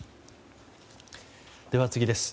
では次です。